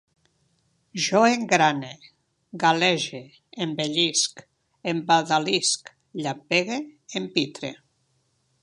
Jo engrane, galege, envellisc, embadalisc, llampegue, empitre